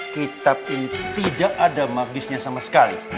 kitab ini tidak ada magisnya sama sekali